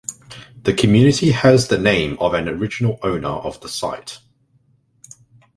The community has the name of an original owner of the site.